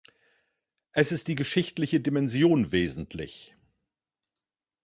Es ist die geschichtliche Dimension wesentlich.